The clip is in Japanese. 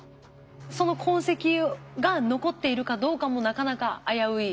その痕跡が残っているかどうかもなかなか危うい。